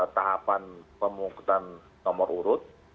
tahapan pemungkutan nomor urut